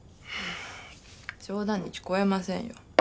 冗談に聞こえませんよ。